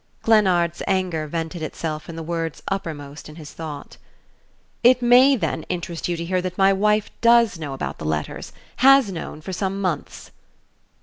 Glennard's anger vented itself in the words uppermost in his thought. "It may, then, interest you to hear that my wife DOES know about the letters has known for some months...."